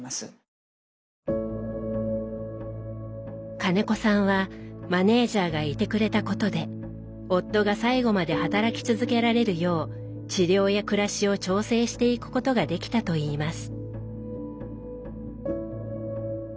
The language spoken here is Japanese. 金子さんはマネージャーがいてくれたことで夫が最後まで働き続けられるよう治療や暮らしを調整していくことができたといいます。